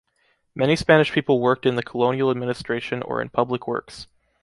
Many Spanish people worked in the colonial administration or in public works.